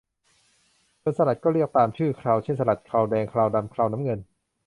โจรสลัดก็เรียกตามชื่อเครา เช่นสลัดเคราแดง เคราดำ เคราน้ำเงิน